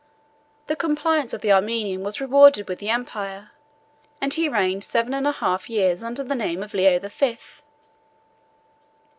The compliance of the Armenian was rewarded with the empire, and he reigned seven years and a half under the name of Leo the Fifth.